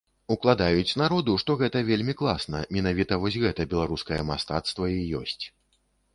Укладаюць народу, што гэта вельмі класна, менавіта вось гэта беларускае мастацтва і ёсць.